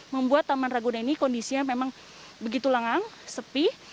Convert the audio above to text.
membuat taman ragunan ini kondisinya memang begitu lengang sepi